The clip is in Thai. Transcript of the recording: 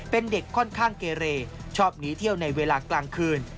เป็นเด็กค่อนข้างเกเรชอบหนีเที่ยวในเวลากลางคืน